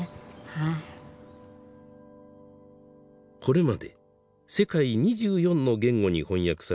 これまで世界２４の言語に翻訳されてきた「はだしのゲン」。